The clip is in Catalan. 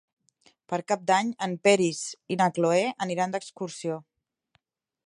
Per Cap d'Any en Peris i na Cloè aniran d'excursió.